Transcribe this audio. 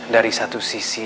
dari satu sisi